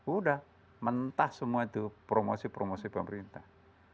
udah mentah semua itu promosi promosi pemerintah